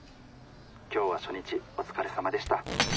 今日は初日お疲れさまでした。